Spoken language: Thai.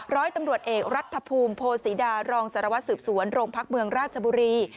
ร้อยตำรวจเอกรัฐภูมิโพศีดารองสารวัตรสืบสวนโรงพักเมืองราชบุรี